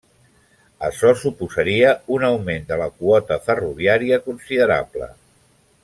Açò suposaria un augment de la quota ferroviària considerable.